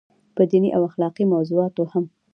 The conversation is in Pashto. پۀ ديني او اخلاقي موضوعاتو هم